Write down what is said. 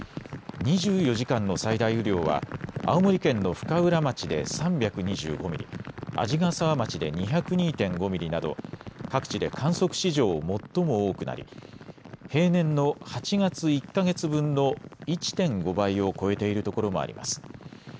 ２４時間の最大雨量は、青森県の深浦町で３２５ミリ、鰺ヶ沢町で２０２．５ミリなど、各地で観測史上最も多くなり、平年の８月１か月分の１．５倍を超えている所もあります。